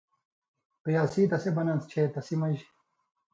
قیاسی تسے بناں تھہ چے تسی مژ